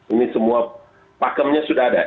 ini semua pakemnya sudah ada